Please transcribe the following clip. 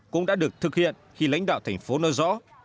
cũng đã được thực hiện khi lãnh đạo thành phố nêu rõ